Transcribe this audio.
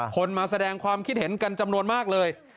คนมาแสดงความคิดเห็นกันจำนวนมากเลย